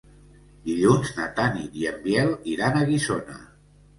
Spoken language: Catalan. Dilluns na Tanit i en Biel iran a Guissona.